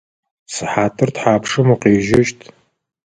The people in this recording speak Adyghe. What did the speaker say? Сыхьатыр тхьапшым укъежьэщт?